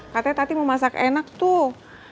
katanya tati mau masak enak tuh